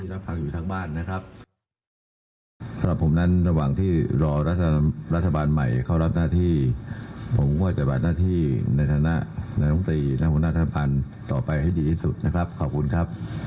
จะหันล่างจากนี้จะหันหลังให้ชาวเมืองเลยไหมคะหรือว่ายังมีช่วยต่อไปคะ